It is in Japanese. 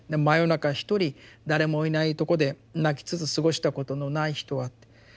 「真夜中一人誰もいないとこで泣きつつ過ごしたことのない人は」って。